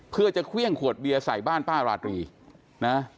เพื่อจะเครื่องขวดเบียร์ใส่บ้านป้าราตรีนะ